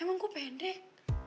emang gue pendek